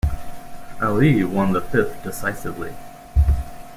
Ali won the fifth decisively.